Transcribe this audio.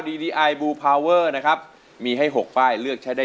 ดีดีไอบูพาวเวอร์นะครับมีให้หกป้ายเลือกใช้ได้